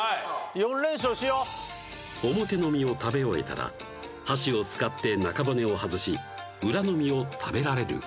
４連勝しよ表の身を食べ終えたら箸を使って中骨を外し裏の身を食べられるか？